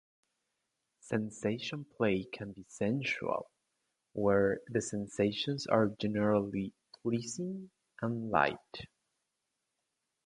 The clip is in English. Sensation play can be "sensual", where the sensations are generally pleasing and light.